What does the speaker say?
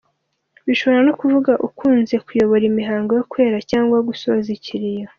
Bishobora no kuvuga ukunze kuyobora Imihango yo kwera cyangwa yo gusoza ikiriyo.